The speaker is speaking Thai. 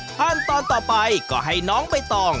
ขั้นตอนต่อไปก็ให้น้องใบตอง